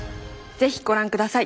是非ご覧ください。